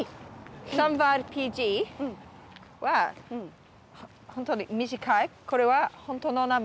スランバイルＰＧは本当に短いこれは本当の名前。